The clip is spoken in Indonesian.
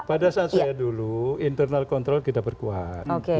pada saat saya dulu internal kontrol kita perkuat